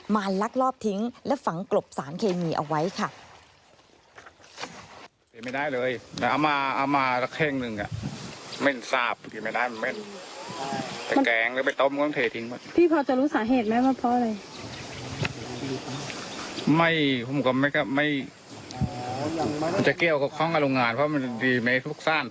ลักลอบทิ้งและฝังกลบสารเคมีเอาไว้ค่ะ